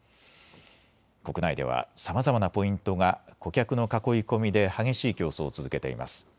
国内ではさまざまなポイントが顧客の囲い込みで激しい競争を続けています。